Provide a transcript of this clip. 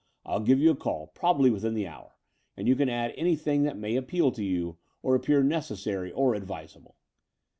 I'll give you a call, probably within an hour: and you can add any thing that may appeal to you or appear necessary or advisable."